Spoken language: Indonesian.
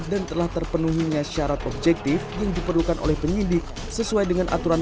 dan telah terpenuhinya syarat objektif yang diperlukan oleh penyidik sesuai dengan aturan